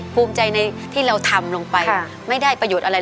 ภูมิใจในที่เราทำลงไปไม่ได้ประโยชน์อะไร